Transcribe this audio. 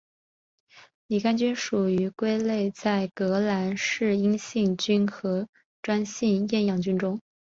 拟杆菌属被归类在革兰氏阴性菌和专性厌氧菌中。